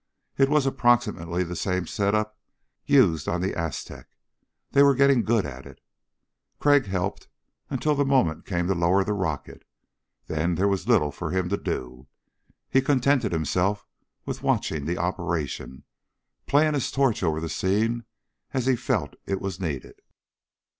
It was approximately the same setup used on the Aztec they were getting good at it. Crag helped until the moment came to lower the rocket, then there was little for him to do. He contented himself with watching the operation, playing his torch over the scene as he felt it was needed.